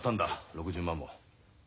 ６０万も。